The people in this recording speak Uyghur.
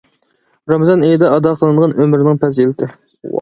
رامىزان ئېيىدا ئادا قىلىنغان ئۆمرىنىڭ پەزىلىتى.